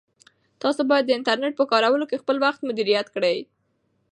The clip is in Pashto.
تاسو باید د انټرنیټ په کارولو کې خپل وخت مدیریت کړئ.